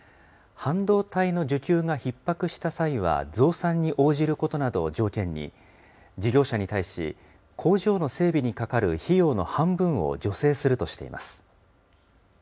半導体の需給がひっ迫した際は増産に応じることなどを条件に、事業者に対し、工場の整備にかかる費用の半分を助成するとしています。